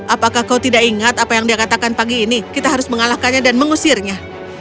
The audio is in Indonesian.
apakah kau tidak ingat apa yang dia katakan pagi ini kita harus mengalahkannya dan mengusirnya